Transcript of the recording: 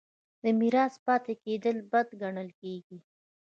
د میرات پاتې کیدل بد ګڼل کیږي.